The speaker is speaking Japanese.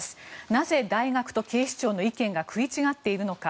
なぜ、大学と警視庁の意見が食い違っているのか。